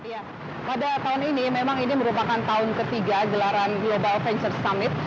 ya pada tahun ini memang ini merupakan tahun ketiga gelaran global venture summit